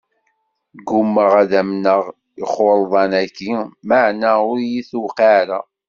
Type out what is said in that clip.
Gummaɣ ad amneɣ ixurḍan-aki, maɛna ur iyi-tuqiɛ ara.